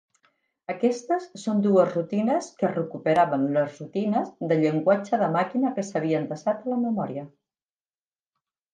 Aquestes són dues rutines que recuperaven las rutines de llenguatge de màquina que s"havien desat a la memòria.